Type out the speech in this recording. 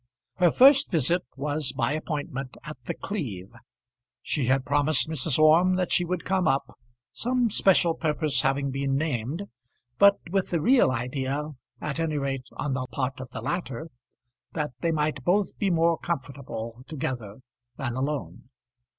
Her first visit was by appointment at The Cleeve. She had promised Mrs. Orme that she would come up, some special purpose having been named; but with the real idea, at any rate on the part of the latter, that they might both be more comfortable together than alone.